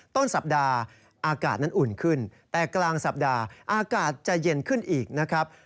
ต้นสัปดาห์อากาศนั้นอุ่นขึ้นแต่กลางสัปดาห์อากาศจะเย็นขึ้นอีกนะครับ